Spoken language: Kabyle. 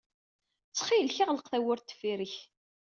Ttxil-k, ɣleq tawwurt deffir-k.